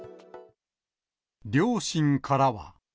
両親からは。